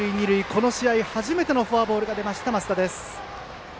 この試合初めてのフォアボールが出ました、升田です。